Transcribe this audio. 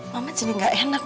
mama jadi gak enak